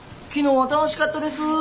「昨日は楽しかったです」